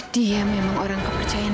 dia memang orang kepercayaan